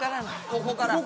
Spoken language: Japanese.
ここから。